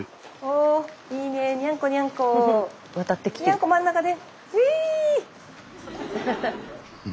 にゃんこ真ん中で。